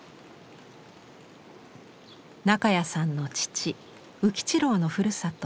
中谷さんの父宇吉郎のふるさと